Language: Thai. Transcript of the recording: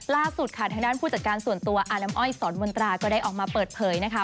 ล่าสุดค่ะทางด้านผู้จัดการส่วนตัวอาน้ำอ้อยสอนมนตราก็ได้ออกมาเปิดเผยนะคะ